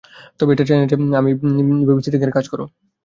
তবে এটা চাই না যে, আর বেবিসিটিংয়ের কাজ করো।